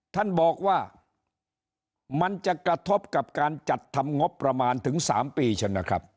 ท่านบอกว่ามันจะกระทบกับการจัดทำงบประมาณถึง๓ปีใช่ไหมครับ